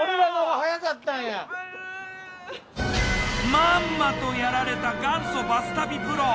まんまとやられた元祖バス旅プロ。